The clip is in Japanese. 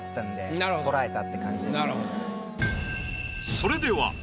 それでは。